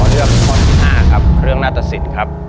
อ๋อเรื่องข้อที่ห้าครับเรื่องน่าตระศิลป์ครับ